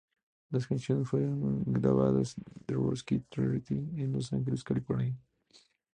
Las canciones fueron grabadas en The Roxy Theatre en Los Angeles, California.